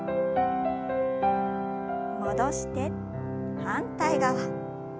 戻して反対側。